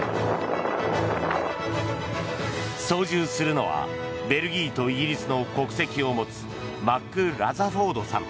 操縦するのはベルギーとイギリスの国籍を持つマック・ラザフォードさん